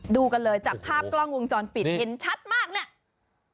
ดูกันเลยจากภาพกล้องวงจรปิดเห็นชัดมากเนี่ย